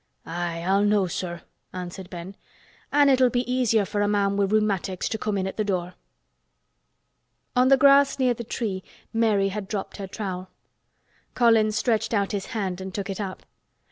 "Aye, I'll know, sir," answered Ben. "An' it'll be easier for a man wi' rheumatics to come in at th' door." On the grass near the tree Mary had dropped her trowel. Colin stretched out his hand and took it up.